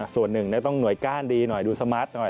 ส่วนหนึ่งต้องหน่วยก้านดีหน่อยดูสมาร์ทหน่อย